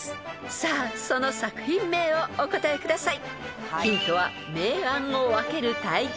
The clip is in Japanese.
［さあその作品名をお答えください］